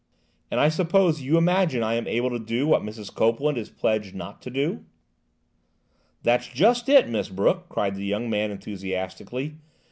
"And I suppose you imagine I am able to do what Mrs. Copeland is pledged not to do?" "That's just it, Miss Brooke," cried the young man enthusiastically.